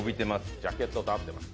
ジャケットと合ってます。